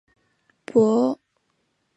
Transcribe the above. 博扎克人口变化图示